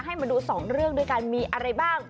มาดูสองเรื่องด้วยกันมีอะไรบ้าง